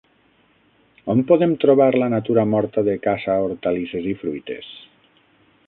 On podem trobar la Natura morta de caça, hortalisses i fruites?